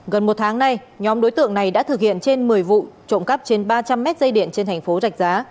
gần một tháng nay nhóm đối tượng này đã thực hiện trên một mươi vụ trộm cắp trên ba trăm linh mét dây điện trên thành phố rạch giá